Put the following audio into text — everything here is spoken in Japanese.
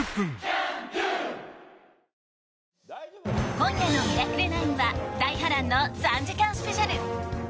今夜の「ミラクル９」は大波乱の３時間スペシャル！